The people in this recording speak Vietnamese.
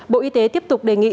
bộ y tế tiếp tục đề nghị